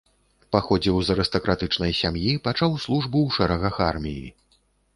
Паходзіў з арыстакратычнай сям'і, пачаў службу ў шэрагах арміі.